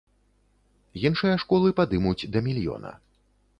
Іншыя школы падымуць да мільёна.